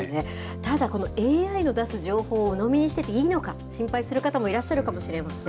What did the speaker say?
ただ、このＡＩの出す情報をうのみにしてていいのか、心配する方もいるかもしれません。